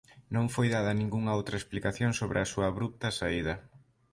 Non foi dada ningunha outra explicación sobre a súa abrupta saída.